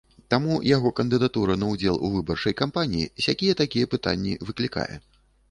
Таму яго кандыдатура на ўдзел у выбарчай кампаніі сякія-такія пытанні выклікае.